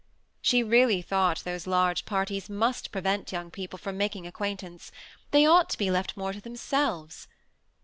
She really thought those large parties must prevent young people fit>m making acquaintance: they ought to he left more to themselves.